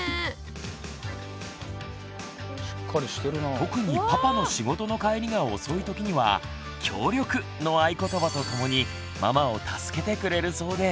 特にパパの仕事の帰りが遅い時には「協力」の合言葉とともにママを助けてくれるそうです。